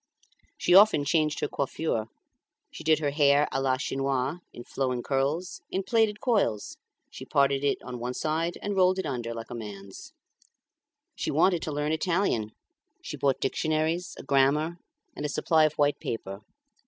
She often changed her coiffure; she did her hair a la Chinoise, in flowing curls, in plaited coils; she parted in on one side and rolled it under like a man's. She wanted to learn Italian; she bought dictionaries, a grammar, and a supply of white paper.